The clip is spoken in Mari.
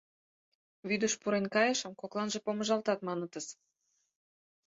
Вӱдыш пуреҥгайышым кокланже помыжалтат, манытыс.